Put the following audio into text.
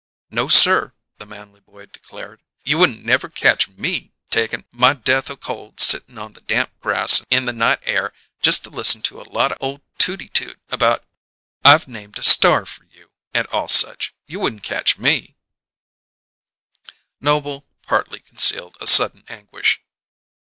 "No, sir," the manly boy declared. "You wouldn't never catch me takin' my death o' cold sittin' on the damp grass in the night air just to listen to a lot o' tooty tooty about 'I've named a star for you,' and all such. You wouldn't catch me " Noble partly concealed a sudden anguish.